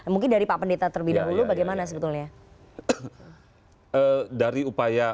mungkin dari pak pendeta terlebih dahulu bagaimana sebetulnya